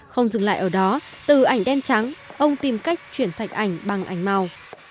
không dừng lại ở đó từ ảnh đen trắng ông tìm cách chuyển thạch ảnh bằng ảnh màu